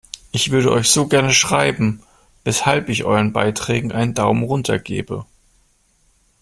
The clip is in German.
Ich würde euch so gerne schreiben, weshalb ich euren Beiträgen einen Daumen runter gebe!